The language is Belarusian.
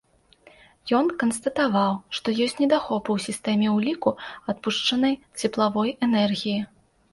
Ён канстатаваў, што ёсць недахопы ў сістэме ўліку адпушчанай цеплавой энергіі.